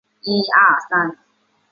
朗德洛河畔蒙泰涅人口变化图示